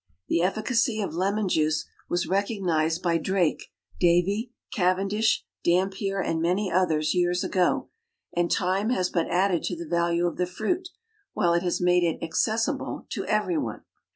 The efficacy of lemon juice was recognized by Drake, Davy, Cavendish, Dampier and many others years ago, and time has but added to the value of the fruit, while it has made it accessible to everyone.